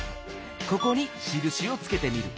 ここにしるしをつけてみる。